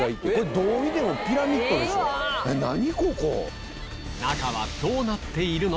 どう見てもピラミッドでしょ何⁉ここ。